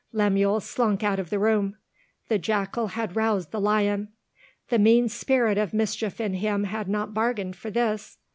Lemuel slunk out of the room. The jackal had roused the lion; the mean spirit of mischief in him had not bargained for this.